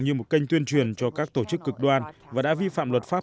như một kênh tuyên truyền cho các tổ chức cực đoan và đã vi phạm luật pháp